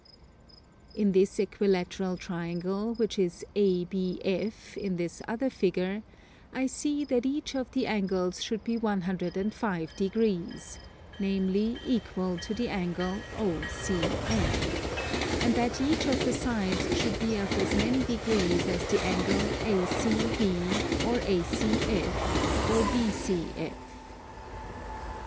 In this equilateral triangle, which is ABF in this other figure, I see that each of the angles should be 105 degrees, namely equal to the angle OCN; and that each of the sides should be of as many degrees as the angle ACB, or ACF, or BCF.